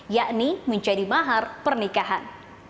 yakni menjadi mahar pernikahan